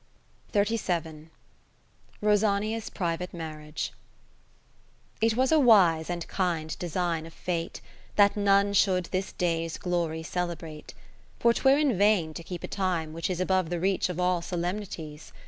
Katherine Philips s Rosania's private Marriage It was a wise and kind design of Fate, That none should this day's glory celebrate : For 'twere in vain to keep a time which is Above the reach of all solemnities.